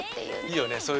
いいよね